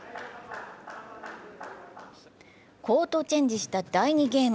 コートチェンジした第２ゲーム。